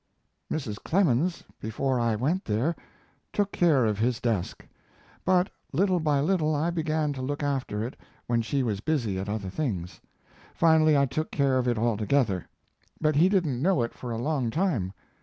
] Mrs. Clemens, before I went there, took care of his desk, but little by little I began to look after it when she was busy at other things. Finally I took care of it altogether, but he didn't know it for a long time.